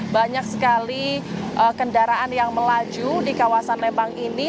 banyak sekali kendaraan yang melaju di kawasan lembang ini